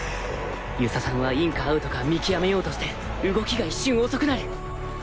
遊佐さんはインかアウトか見極めようとして動きが一瞬遅くなる